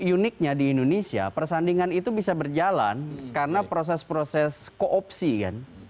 uniknya di indonesia persandingan itu bisa berjalan karena proses proses koopsi kan